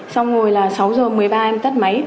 xong rồi là sáu giờ một mươi ba em tắt máy